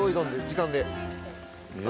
時間で。